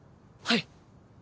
はい。